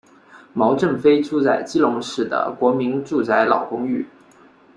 毛振飞住在基隆市的国民住宅老公寓。